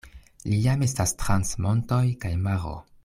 Li jam estas trans montoj kaj maro.